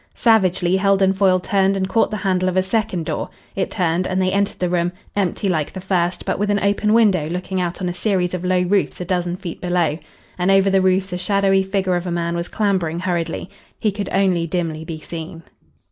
Savagely Heldon Foyle turned and caught the handle of a second door. It turned, and they entered the room, empty like the first, but with an open window looking out on a series of low roofs a dozen feet below. And over the roofs a shadowy figure of a man was clambering hurriedly. He could only dimly be seen.